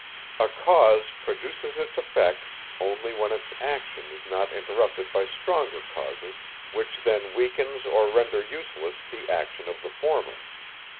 A cause produces its effect only when its action is not interrupted by stronger causes, which then weakens or render useless, the action of the former.